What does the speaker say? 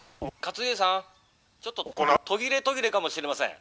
「途切れ途切れかもしれません」。